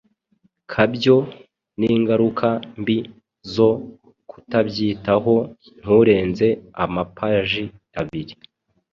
kabyo n’ingaruka mbi zo kutabyitaho (nturenze amapaji abiri).